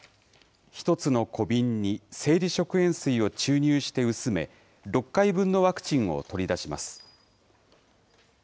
１つの小瓶に生理食塩水を注入して薄め、６回分のワクチンを取り出します。